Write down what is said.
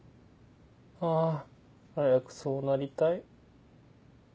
あ早くそうなりたい。